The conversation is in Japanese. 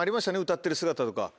歌ってる姿とか。